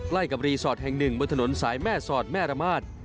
กับรีสอร์ทแห่งหนึ่งบนถนนสายแม่สอดแม่ระมาท